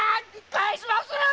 返します‼